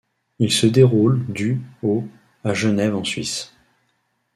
Il se déroule du au à Genève en Suisse.